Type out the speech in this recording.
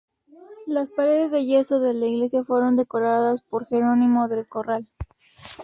Las paredes de yeso de la iglesia fueron decoradas por Jerónimo del Corral.